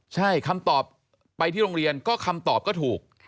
ใช่คำตอบไปที่โรงเรียนก็คำตอบก็ถูก